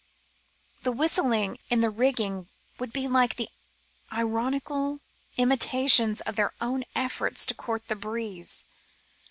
The whistling in the rigging would be like ironical imitations of their own efforts to court the breeze.